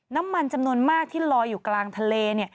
น้ำมันจำนวนมากที่ลอยอยู่กลางทะเล